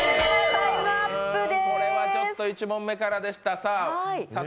これはちょっと１問目からでした。